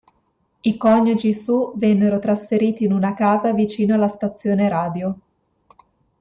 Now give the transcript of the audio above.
I coniugi Suh vennero trasferiti in una casa vicino alla stazione radio.